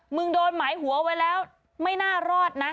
โดนหมายหัวไว้แล้วไม่น่ารอดนะ